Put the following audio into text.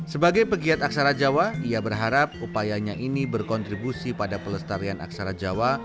sebagai pegiat aksara jawa ia berharap upayanya ini berkontribusi pada pelestarian aksara jawa